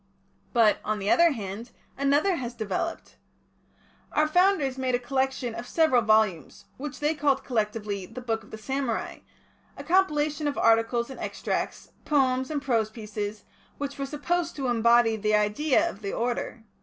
But, on the other hand, another has developed. Our Founders made a collection of several volumes, which they called, collectively, the Book of the Samurai, a compilation of articles and extracts, poems and prose pieces, which were supposed to embody the idea of the order.